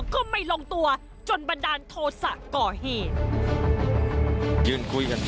ก็ไม่ลงตัวจนบันดาลโทษะก่อเหตุ